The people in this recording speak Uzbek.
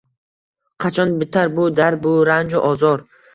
Qachon bitar bu dard, bu ranju ozor?